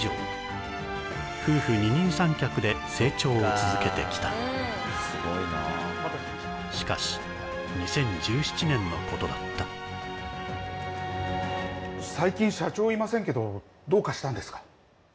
続けてきたしかし２０１７年のことだった最近社長いませんけどどうかしたんですか？